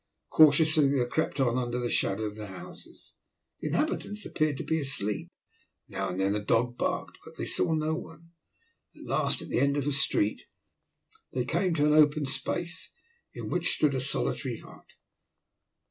Cautiously they crept on under the shadow of the houses. The inhabitants appeared to be asleep. Now and then a dog barked, but they saw no one. At last, at the end of a street, they came to an open space, in which stood a solitary hut.